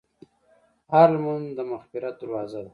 هره لمونځ د مغفرت دروازه ده.